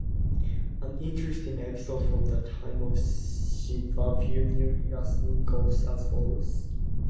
An interesting episode from the time of Shivappa Nayaka's rule goes as follows.